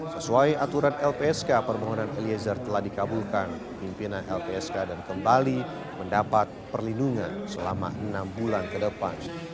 sesuai aturan lpsk permohonan eliezer telah dikabulkan pimpinan lpsk dan kembali mendapat perlindungan selama enam bulan ke depan